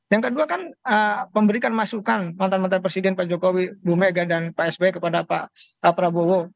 yang kedua kan memberikan masukan mantan mantan presiden pak jokowi bu mega dan pak sby kepada pak prabowo